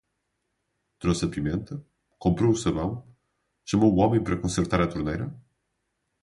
Trouxe a pimenta? Comprou o sabão? Chamou o homem para consertar a torneira?